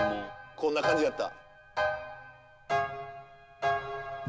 こんな感じやった。